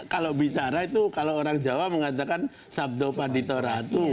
kalau bicara itu kalau orang jawa mengatakan sabdo paditoratu